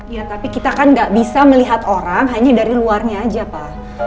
ya tapi kita kan gak bisa melihat orang hanya dari luarnya aja pak